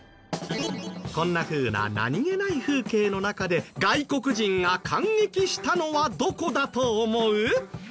こんなふうな何げない風景の中で外国人が感激したのはどこだと思う？